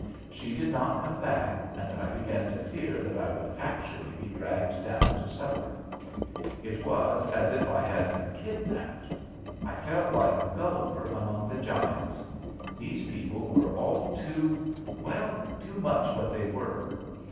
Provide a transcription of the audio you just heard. She did not come back, and I began to fear that I would actually be dragged down to supper. It was as if I had been kidnapped. I felt like Gulliver among the giants. These people were all too well, too much what they were.